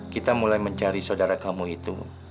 kita mulai mencari saudara kamu itu